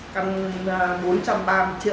căn bốn trăm ba mươi triệu thì đóng một mươi triệu